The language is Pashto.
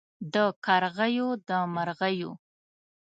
د کرغیو د مرغیو